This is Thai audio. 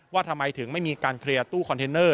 ว่าทำไมถึงไม่มีการเคลียร์ตู้คอนเทนเนอร์